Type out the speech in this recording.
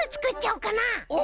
お！